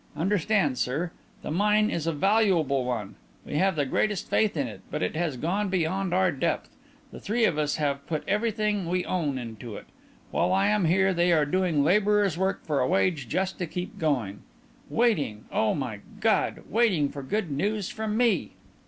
Understand, sir. The mine is a valuable one; we have the greatest faith in it, but it has gone beyond our depth. The three of us have put everything we own into it. While I am here they are doing labourers' work for a wage, just to keep going ... waiting, oh, my God! waiting for good news from me!"